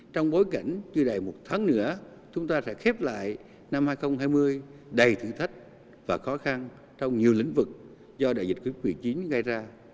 trong bối cảnh chưa đầy một tháng nữa chúng ta sẽ khép lại năm hai nghìn hai mươi đầy thử thách và khó khăn trong nhiều lĩnh vực do đại dịch covid một mươi chín gây ra